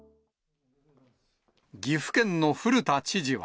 岐阜県の古田知事は。